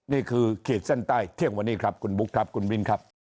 นี่คือเขตเส้นใต้เที่ยงวันนี้ครับคุณบุ๊คครับคุณบิลครับ